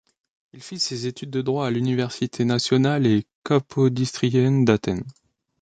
Il fit ses études de droit à l'université nationale et capodistrienne d'Athènes.